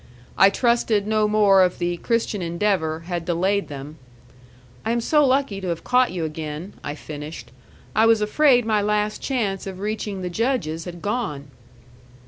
I trusted no more of the Christian Endeavor had delayed them. "I am so lucky to have caught you again," I finished. "I was afraid my last chance of reaching the Judge's had gone."